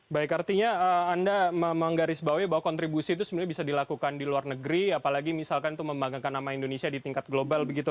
baik artinya anda menggarisbawahi bahwa kontribusi itu sebenarnya bisa dilakukan di luar negeri apalagi misalkan itu membanggakan nama indonesia di tingkat global begitu